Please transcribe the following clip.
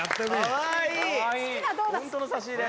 「可愛い！本当の差し入れ」